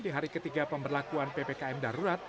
di hari ketiga pemberlakuan ppkm darurat